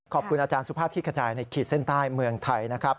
ขอบคุณอาจารย์สุภาพขี้กระจายในขีดเส้นใต้เมืองไทยนะครับ